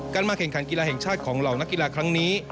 มาแข่งขันกีฬาแห่งชาติของเหล่านักกีฬาครั้งนี้